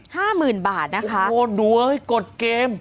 ห้าหมื่นบาทนะคะโอ้ดูเอ้ยกดเกม